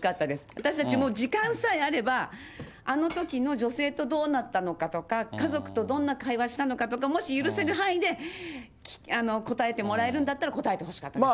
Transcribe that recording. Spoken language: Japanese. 私たちも時間さえあれば、あのときの女性とどうなったのかとか、家族とどんな会話したかとか、もし許せる範囲で答えてもらえるんだったら答えてほしかったです